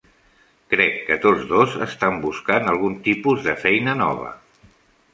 Crec que tots dos estan buscant algun tipus de feina nova.